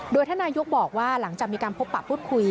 โดยท่านนายกบอกว่าหลังจากมีการพบปะพูดคุย